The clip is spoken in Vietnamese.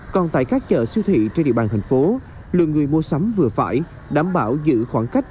còn tại các chợ siêu thị trên địa bàn thành phố lượng người mua sắm vừa phải đảm bảo giữ khoảng cách